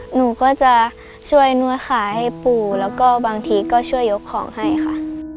หนูก็จะช่วยนวดขายให้ปู่แล้วก็บางทีก็ช่วยยกของให้ค่ะ